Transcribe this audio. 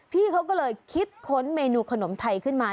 พี่เขาก็เลยคิดค้นเมนูขนมไทยขึ้นมา